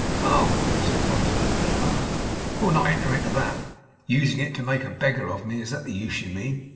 'Oh!' said Montague, with a laugh. 'We'll not enter into that.' 'Using it to make a beggar of me. Is that the use you mean?